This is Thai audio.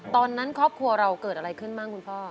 ตอนนั้นครอบครัวเราเกิดอะไรขึ้นบ้างคุณพ่อ